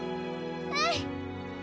うん！